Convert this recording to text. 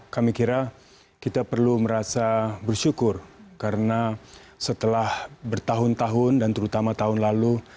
kami kira kita perlu merasa bersyukur karena setelah bertahun tahun dan terutama tahun lalu